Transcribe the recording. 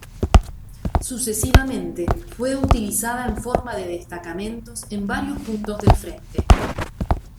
Sucesivamente fue utilizada en forma de destacamentos en varios puntos del frente.